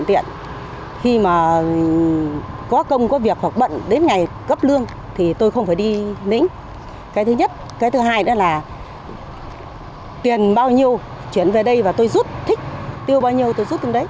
tiền bao nhiêu chuyển về đây và tôi rút thích tiêu bao nhiêu tôi rút đến đấy